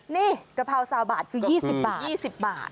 นี่กะเพราสาวบาทคือ๒๐บาท